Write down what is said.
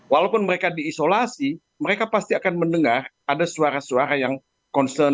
walaupun mereka diisolasi mereka pasti akan mendengar ada suara suara yang concern